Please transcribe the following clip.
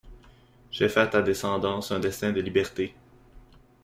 Je fais à ta descendance un destin de liberté!